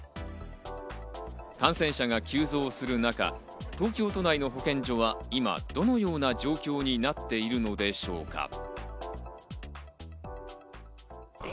感染者が急増する中、東京都内の保健所は今、どのような状況になっているのでしょうか？